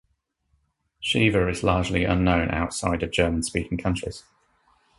Shiva is largely unknown outside of German-speaking countries.